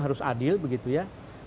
harus adil begitu ya